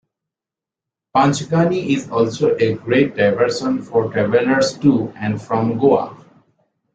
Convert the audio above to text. Panchgani is also a great diversion for travellers to and from Goa.